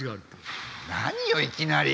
何よいきなり。